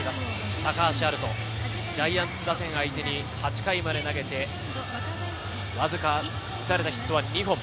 高橋遥人、ジャイアンツ打線相手に８回まで投げて、わずか打たれたヒットは２本。